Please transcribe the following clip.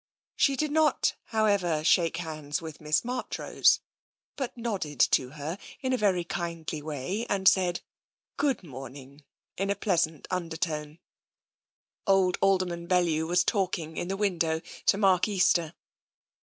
She did not, however, shake hands with Miss March rose, but nodded to her in a very kindly way and said " Good morning " in a pleasant undertone. Old Alderman Bellew was talking in the window to Mark Easter.